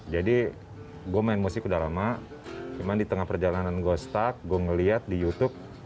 jadi gue main musik udah lama cuman di tengah perjalanan gue stuck gue ngeliat di youtube